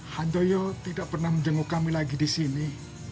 handoyo tidak pernah menjenguk kami lagi disini